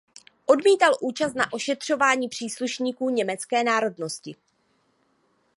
Odmítal účast na ošetřování příslušníků německé národnosti.